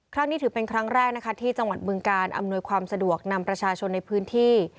ครั้งนี้ถือเป็นครั้งแรกนะคะที่จังหวัดบึงการอำนวยความสะดวกนำประชาชนในพื้นที่